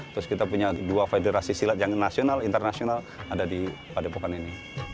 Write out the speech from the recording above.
terus kita punya dua federasi silat yang nasional internasional ada di padepokan ini